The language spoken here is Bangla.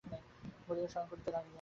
বলিয়া শয়ন করিতে গেলেন।